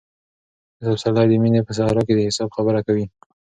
استاد پسرلی د مینې په صحرا کې د حساب خبره کوي.